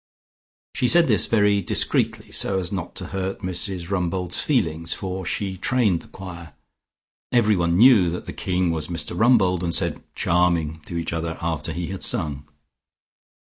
She said this very discreetly, so as not to hurt Mrs Rumbold's feelings, for she trained the choir. Everyone knew that the king was Mr Rumbold, and said "Charming" to each other, after he had sung.